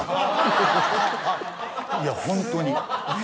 いやホントに。